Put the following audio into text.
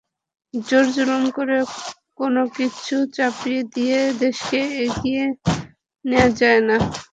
জোর-জুলুম করে কোনো কিছু চাপিয়ে দিয়ে দেশকে এগিয়ে নেওয়া যায় না।